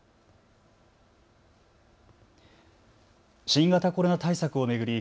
新型コロナ対策を巡り